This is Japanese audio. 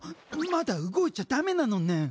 まだ動いちゃダメなのね